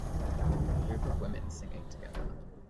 A group of women singing together.